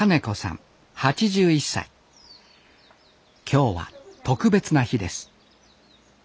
今日は特別な日です。